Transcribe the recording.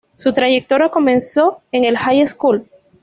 Su Trayectoria comenzó en el High School.